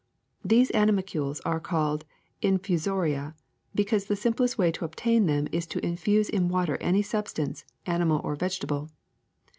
These animalcules are called infusoria because the simplest way to obtain them is to infuse in water any substance, animal or vegetable.